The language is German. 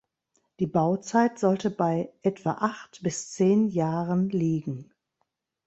Die Bauzeit sollte bei etwa acht bis zehn Jahre liegen.